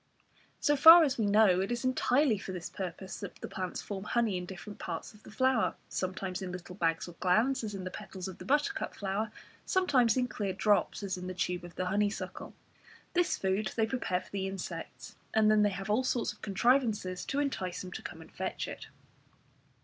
So far as we know, it is entirely for this purpose that the plants form honey in different parts of the flower, sometimes in little bags or glands, as in the petals of the buttercup flower, sometimes in clear drops, as in the tube of the honeysuckle. This food they prepare for the insects, and then they have all sorts of contrivances to entice them to come and fetch it.